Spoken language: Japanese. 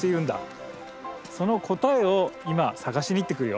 その答えを今探しに行ってくるよ。